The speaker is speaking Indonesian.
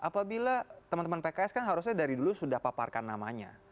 apabila teman teman pks kan harusnya dari dulu sudah paparkan namanya